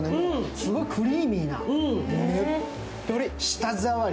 すごいクリーミーな、ねっとり。